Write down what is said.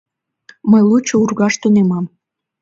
— Мый лучо ургаш тунемам.